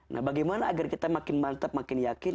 nah bagaimana agar kita makin mantap makin yakin